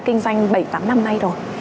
kinh doanh bảy tám năm nay rồi